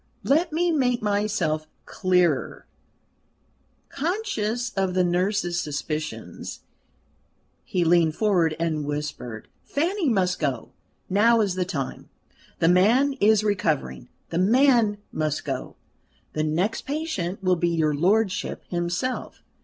"Let me make myself clearer" conscious of the nurse's suspicions, he leaned forward and whispered: "Fanny must go. Now is the time. The man is recovering. The man must go: the next patient will be your lordship himself.